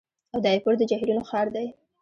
اودایپور د جهیلونو ښار دی.